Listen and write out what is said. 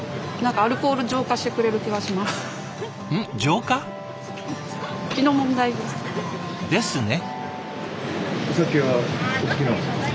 浄化？ですね。